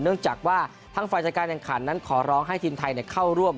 เนื่องจากว่าทางฝ่ายจัดการแข่งขันนั้นขอร้องให้ทีมไทยเข้าร่วม